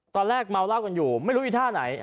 ตอนแรกเมาเหล้ากันอยู่ไม่รู้อีท่าไหน